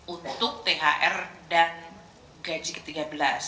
untuk thr dan gaji ke tiga belas